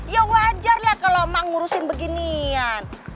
ya wajar lah kalau mau ngurusin beginian